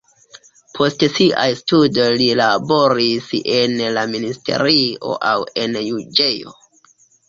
Post siaj studoj li laboris en la ministerio aŭ en juĝejo.